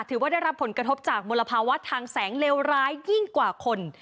ถือว่าได้รับผลกระทบจากมลภาวะทางแสงเลวร้ายยิ่งกว่าคน